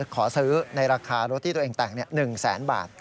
ขอซื้อในราคารถที่ตัวเองแต่ง๑แสนบาท